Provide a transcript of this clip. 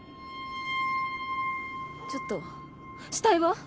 ちょっと死体は！？